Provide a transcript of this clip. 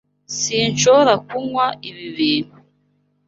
Sinshobora kunywa ibi bintu.